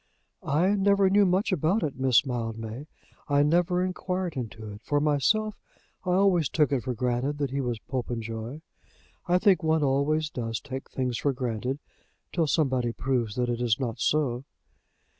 "I never knew much about it, Miss Mildmay. I never inquired into it. For myself, I always took it for granted that he was Popenjoy. I think one always does take things for granted till somebody proves that it is not so."